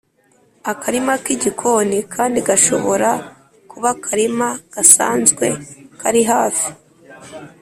akarima k’igikoni kandi gashobora kuba akarima gasanzwe kari hafi